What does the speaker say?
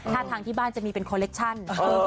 ถ้าทางที่บ้านจะมีเป็นคอเล็กชั่น